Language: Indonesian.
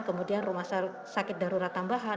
kemudian rumah sakit darurat tambahan